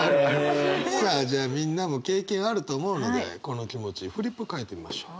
さあじゃあみんなも経験あると思うのでこの気持ちフリップ書いてみましょう。